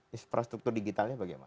infrastruktur digitalnya bagaimana